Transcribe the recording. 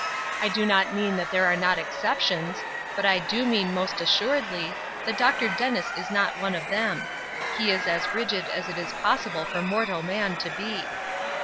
I do not mean that there are not exceptions, but I do mean most assuredly that Dr. Dennis is not one of them. He is as rigid as it is possible for mortal man to be.